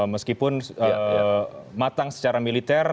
meskipun matang secara militer